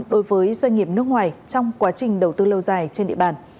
đối với doanh nghiệp nước ngoài trong quá trình đầu tư lâu dài trên địa bàn